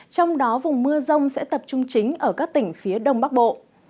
trong đó vùng mưa rông sẽ tập trung chính ở các tỉnh phía đông bắc bộ